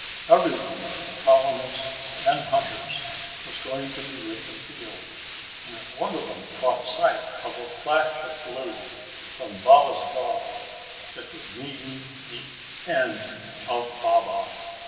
Everyone, colonists and hunters, was going to be at the field, and if one of them caught sight of a flash of blue from Baba's claws, it would mean the end of Baba.